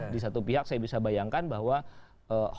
di satu pihak saya bisa bayangkan bahwa hoax itu ingin direpresentasikan